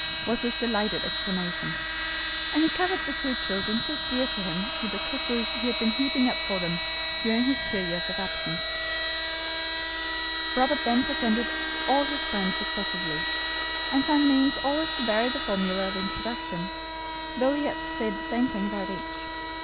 was his delighted exclamation. And he covered the two children so dear to him with the kisses he had been heaping up for them during his two years of absence. Robert then presented all his friends successively, and found means always to vary the formula of introduction, though he had to say the same thing about each.